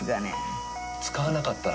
使わなかったら。